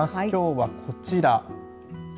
きょうはこちら。